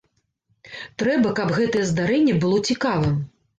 Трэба, каб гэтае здарэнне было цікавым.